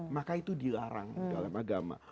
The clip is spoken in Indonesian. maka itu dilarang dalam agama